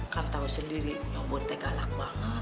gak tau sendiri nyomotnya galak banget